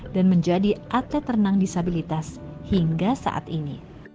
dan menjadi atlet renang disabilitas hingga saat ini